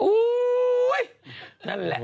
อู้ยยยยนั่นแหละ